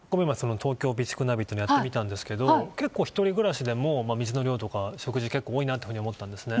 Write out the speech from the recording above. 東京備蓄ナビというのをやってみたんですが一人暮らしでも水の量とか食事多いなと思ったんですね。